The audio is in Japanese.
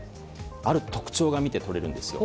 ある特徴が見て取れるんですよ。